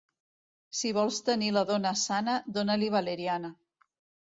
Si vols tenir la dona sana, dona-li valeriana.